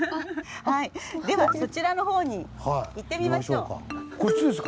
ではそちらの方に行ってみましょう。